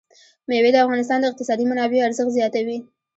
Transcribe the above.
مېوې د افغانستان د اقتصادي منابعو ارزښت زیاتوي.